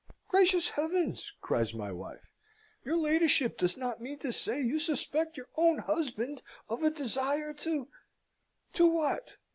"Gracious heavens!" cries my wife, "your ladyship does not mean to say you suspect your own husband of a desire to " "To what?